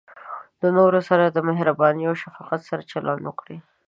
د نورو سره د مهربانۍ او شفقت سره چلند وکړئ.